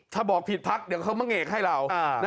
ถ้าบอกผิดพักเดี๋ยวเขามาเงกให้เรา